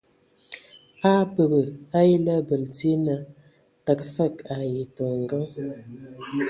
A a abəbə a ele abəl dzie naa tǝgə fəg ai tɔ ngǝŋ.